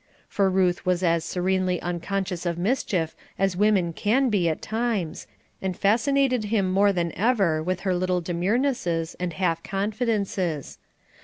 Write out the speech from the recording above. For Ruth was as serenely unconscious of mischief as women can be at times, and fascinated him more than ever with her little demurenesses and half confidences.